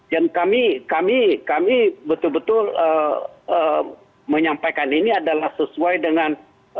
dan kami kami kami betul betul menyampaikan ini adalah sesuai dengan